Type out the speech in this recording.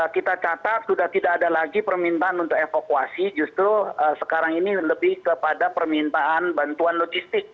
kita catat sudah tidak ada lagi permintaan untuk evakuasi justru sekarang ini lebih kepada permintaan bantuan logistik